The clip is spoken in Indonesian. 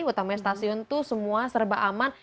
utamanya stasiun itu semua serba aman